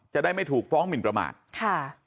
จะได้ไม่ถูกฟ้องหมินประมาทค่ะ